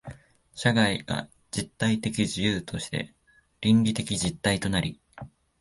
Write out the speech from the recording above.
社会が実体的自由として倫理的実体となり、